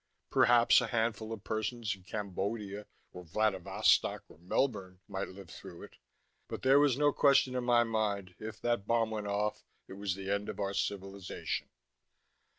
Perhaps a handful of persons in Cambodia or Vladivostok or Melbourne might live through it. But there was no question in my mind: If that bomb went off, it was the end of our civilization.